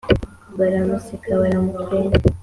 baramuseka baramukwena,